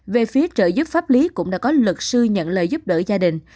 về phía trợ giúp pháp lý cũng đã có luật sư nhận lời giúp đỡ gia đình